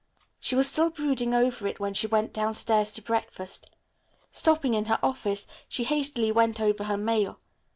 She was still brooding over it when she went downstairs to breakfast. Stopping in her office, she hastily went over her mail.